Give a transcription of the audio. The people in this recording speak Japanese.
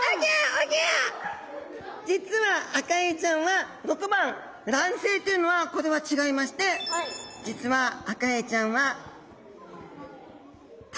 実はアカエイちゃんは６番卵生というのはこれは違いまして実はアカエイちゃんは胎生なんです。